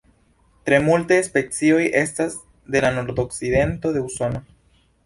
Tre multaj specioj estas de la nordokcidento de Usono.